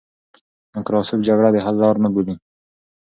نکراسوف جګړه د حل لار نه بولي.